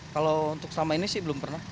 kalau untuk selama ini sih belum pernah